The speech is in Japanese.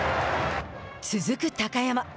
続く高山。